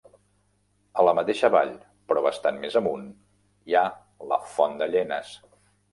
A la mateixa vall, però bastant més amunt, hi ha la Font de Llenes.